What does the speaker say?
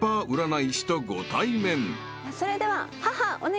それでは。